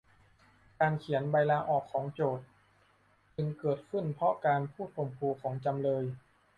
การเขียนใบลาออกของโจทก์จึงเกิดขึ้นเพราะการพูดข่มขู่ของจำเลย